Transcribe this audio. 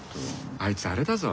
あいつアレだぞ。